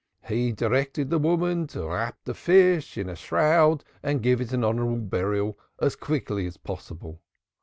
He directed the woman to wrap the fish in a shroud and give it honorable burial as quickly as possible.